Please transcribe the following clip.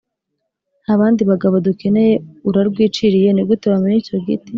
Nta bandi bagabo dukeneye. Urarwiciriye. Ni gute wamenya icyo giti